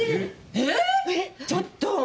えっ⁉ちょっと！